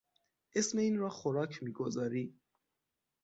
اسم این را خوراک میگذاری!